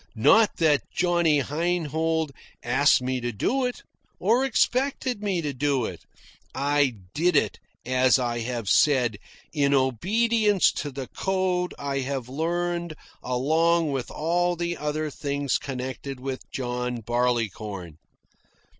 Not that Johnny Heinhold asked me to do it, or expected me to do it. I did it, as I have said, in obedience to the code I had learned along with all the other things connected with John Barleycorn.